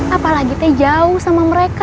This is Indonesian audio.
apalagi teh jauh sama mereka